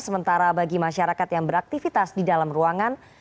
sementara bagi masyarakat yang beraktivitas di dalam ruangan